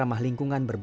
ada yang putih